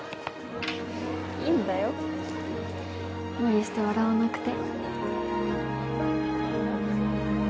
いいんだよ無理して笑わなくて